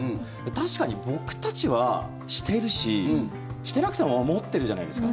確かに僕たちはしているししてなくても持ってるじゃないですか。